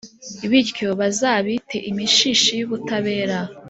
bityo bazabite «imishishi y’ubutabera,